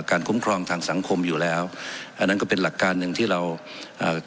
คุ้มครองทางสังคมอยู่แล้วอันนั้นก็เป็นหลักการหนึ่งที่เราอ่า